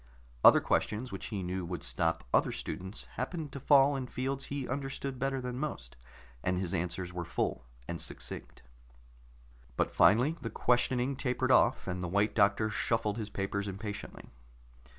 Other questions which he knew would stop other students happened to fall in fields he understood better than most, and his answers were full and succinct. But finally the questioning tapered off, and the White Doctor shuffled his papers impatiently.